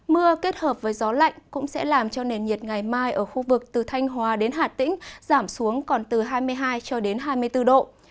mưa kết hợp với gió lạnh cũng sẽ làm cho nền nhiệt ngày mai ở khu vực từ thanh hóa đến hà tĩnh giảm xuống còn từ hai mươi hai cho đến hai mươi bốn độ